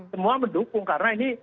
semua mendukung karena ini